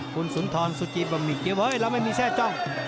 คุณสุนทรสุจิบบำมิเกียบเฮ้ยเราไม่มีแทร่จ้อง